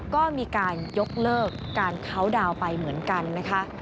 ก็มีการยกเลิกการเคาน์ดาวน์ไปเหมือนกันนะคะ